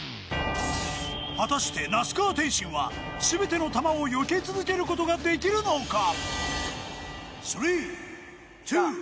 果たして那須川天心は全ての球をよけ続けることができるのか。